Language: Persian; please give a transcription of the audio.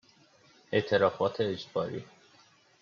اعترافات اجباری